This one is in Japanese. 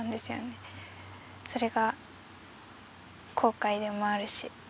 それが後悔でもあるし。